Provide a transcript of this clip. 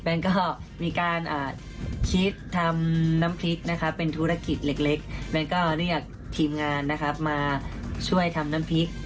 ก็มีการคิดทำน้ำพริกนะคะเป็นธุรกิจเล็กแนนก็เรียกทีมงานนะครับมาช่วยทำน้ำพริก